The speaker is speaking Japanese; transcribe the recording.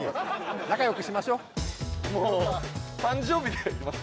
仲よくしましょもう誕生日でいきます？